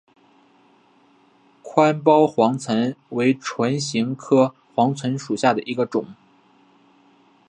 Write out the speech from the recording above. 宽苞黄芩为唇形科黄芩属下的一个种。